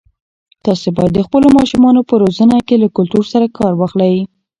تاسي باید د خپلو ماشومانو په روزنه کې له کلتور کار واخلئ.